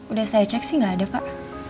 udah saya cek sih nggak ada pak